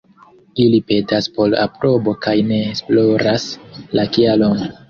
Ili petas por aprobo kaj ne esploras la kialon.